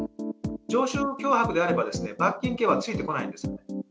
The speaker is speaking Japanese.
常習脅迫であれば罰金刑はついてこないんです。